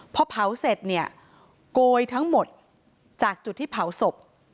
พอเผาเสร็จเนี่ยโกยทั้งหมดจากจุดที่เผาศพ